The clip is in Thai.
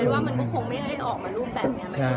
ว่ามันก็คงไม่ได้ออกมารูปแบบนี้